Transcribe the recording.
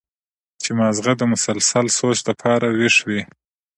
چې مازغه د مسلسل سوچ د پاره وېخ وي